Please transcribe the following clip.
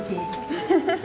フフフフ。